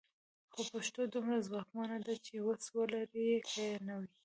خو پښتو دومره ځواکمنه ده چې وس ولري که یې نه وي.